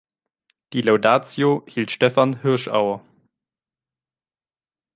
Die Laudatio hielt Stefan Hirschauer.